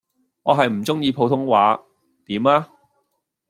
我係唔鐘意普通話，點呀